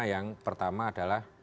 yang pertama adalah